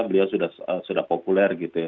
beliau sudah populer gitu ya